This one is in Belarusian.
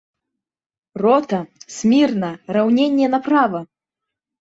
Рота, смірна, раўненне направа!